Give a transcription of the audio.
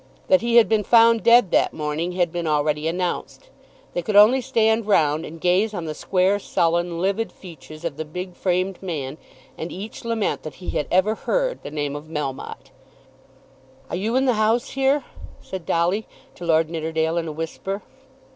That he had been found dead that morning had been already announced. They could only stand round and gaze on the square, sullen, livid features of the big framed man, and each lament that he had ever heard the name of Melmotte. "Are you in the house here?" said Dolly to Lord Nidderdale in a whisper.